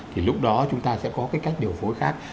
thì lúc đó chúng ta sẽ có cái cách điều phối khác